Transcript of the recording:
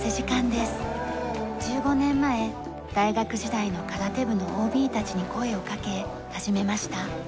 １５年前大学時代の空手部のＯＢたちに声をかけ始めました。